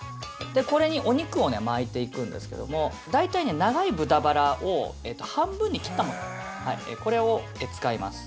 これにお肉を巻いていくんですけども大体、長い豚バラを半分に切ったもの、これを使います。